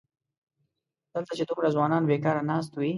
دلته چې دومره ځوانان بېکاره ناست وي.